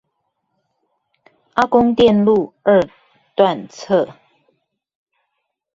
阿公店路二段側